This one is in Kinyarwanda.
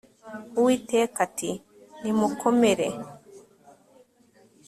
uwiteka ati nimukomere